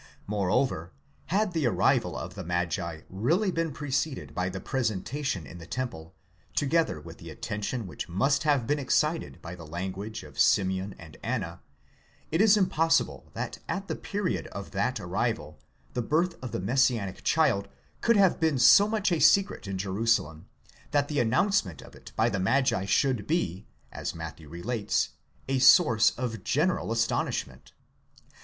Moreover, had the arrival of the magi really been preceded by the presentation in the temple, together with the attention: which must have been excited by the language of Simeon and Anna; it 15: impossible that at the period of that arrival the birth of the messianic child could have been so much a secret in Jerusalem, that the announcement of it by the magi should be, as Matthew relates, a source of general astonishment.